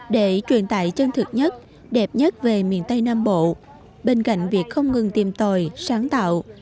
để truyền tải chân thực nhất đẹp nhất về miền tây nam bộ bên cạnh việc không ngừng tìm tòi sáng tạo